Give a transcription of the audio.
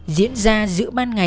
diễn ra giữa ban ngày